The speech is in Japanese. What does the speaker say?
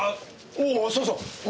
おおそうそう。